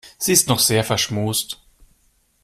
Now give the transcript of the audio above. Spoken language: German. Sie ist noch sehr verschmust.